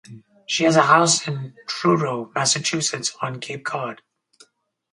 She has a house in Truro, Massachusetts on Cape Cod.